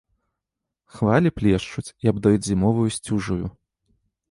Хвалі плешчуць і абдаюць зімовай сцюжаю.